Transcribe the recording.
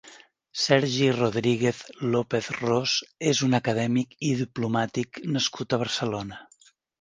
Sergi Rodríguez López-Ros és un acadèmic i diplomàtic nascut a Barcelona.